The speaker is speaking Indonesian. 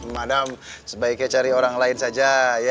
madam sebaiknya cari orang lain saja ya